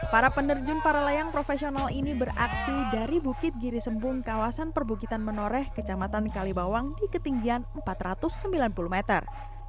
para penerjun para layang profesional ini beraksi dari bukit giri sembung kawasan perbukitan menoreh kecamatan kalibawang di ketinggian empat ratus sembilan puluh meter